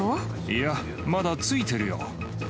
いや、まだついてるよ。